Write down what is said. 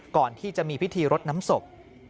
ก่อนที่จะมีพิธีรดน้ำศพ